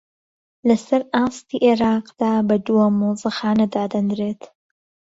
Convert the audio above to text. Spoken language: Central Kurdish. لەسەر ئاستی عێراقدا بە دووەم مۆزەخانە دادەنرێت